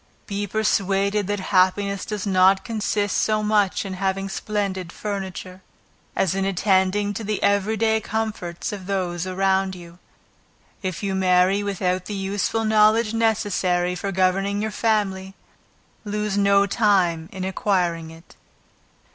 Be persuaded that happiness does not consist so much in having splendid furniture, as in attending to the every day comforts of those around you. If you marry without the useful knowledge necessary for governing your family, lose no time in acquiring it.